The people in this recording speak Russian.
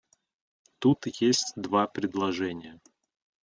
Тут есть два предложения.